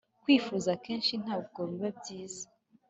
kwifuza kenshi ntago biba byiza